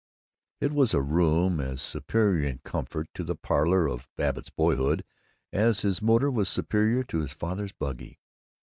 It was a room as superior in comfort to the "parlor" of Babbitt's boyhood as his motor was superior to his father's buggy.